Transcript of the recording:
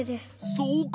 そうか！